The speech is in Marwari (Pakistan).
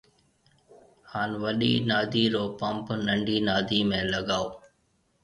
هان وڏِي نادِي رو پمپ ننڊِي نادِي ۾ لگائو